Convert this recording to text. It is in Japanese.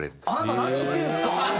あなた何を言ってるんですか？